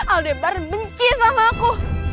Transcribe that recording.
aldebaran benci sama aku